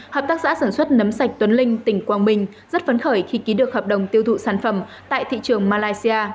hợp tác xã sản xuất nấm sạch tuấn linh tỉnh quang bình rất phấn khởi khi ký được hợp đồng tiêu thụ sản phẩm tại thị trường malaysia